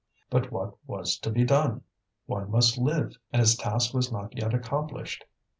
But what was to be done? One must live, and his task was not yet accomplished.